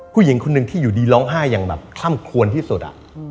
ผู้หญิงคนหนึ่งที่อยู่ดีร้องไห้อย่างแบบคล่ำคลวนที่สุด